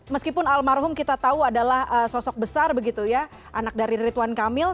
meskipun almarhum kita tahu adalah sosok besar begitu ya anak dari ritwan kamil